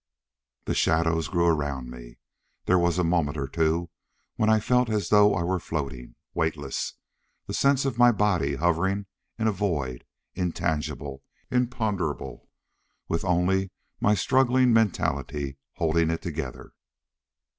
The shadows grew around me. There was a moment or two when I felt as though I were floating. Weightless. The sense of my body hovering in a void, intangible, imponderable, with only my struggling mentality holding it together....